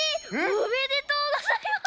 おめでとうございます！